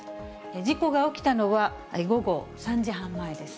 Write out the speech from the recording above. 事故が起きたのは午後３時半前です。